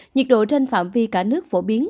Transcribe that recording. nhiệt độ trên phạm vi cả nước phổ biến